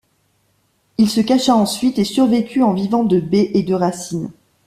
Il se cacha ensuite et survécut en vivant de baies et de racines.